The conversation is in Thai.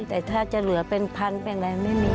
แต่ถ้าจะเหลือเป็นพันเป็นอะไรไม่มี